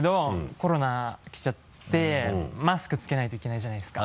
コロナきちゃってマスクつけないといけないじゃないですか。